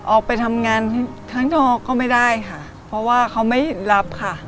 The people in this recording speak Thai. ออกไปทำงานข้างนอกก็ไม่ได้ค่ะเพราะว่าเขาไม่รับค่ะ